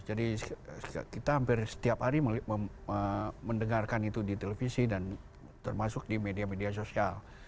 jadi kita hampir setiap hari mendengarkan itu di televisi dan termasuk di media media sosial